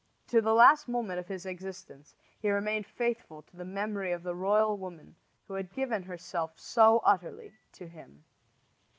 To the last moment of his existence he remained faithful to the memory of the royal woman who had given herself so utterly to him.